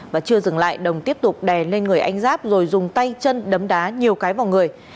và chưa dừng lại đồng tiếp tục đè lên người anh giáp rồi dùng tay chân đấm đá nhiều cái vào người